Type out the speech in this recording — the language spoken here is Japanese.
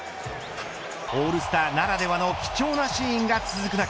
オールスターならではの貴重なシーンが続く中